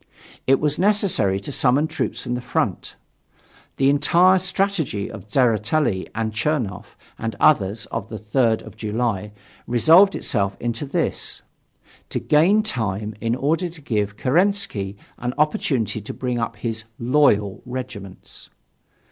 It was necessary to summon troops from the front. The entire strategy of Tseretelli, Chernoff, and others on the 3rd of July resolved itself into this: to gain time in order to give Kerensky an opportunity to bring up his "loyal" regiments.